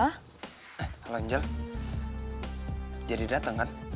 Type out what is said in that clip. halo angel jadi dateng kan